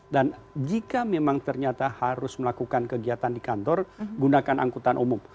jika memang ternyata harus melakukan kegiatan di kantor gunakan angkutan umum